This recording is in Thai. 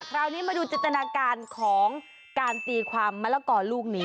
คราวนี้มาดูจินตนาการของการตีความมะละกอลูกนี้